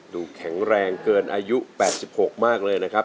แข็งแรงเกินอายุ๘๖มากเลยนะครับ